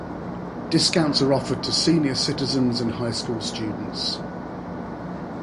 Discounts are offered to senior citizens and high school students.